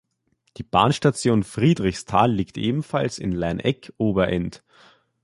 Die Bahnstation Friedrichsthal liegt ebenfalls in Laineck-Oberend.